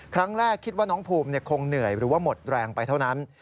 ครั้งแรกคิดว่าน้องภูมิคงเหนื่อยหรือว่าหมดแรงไปเท่านั้น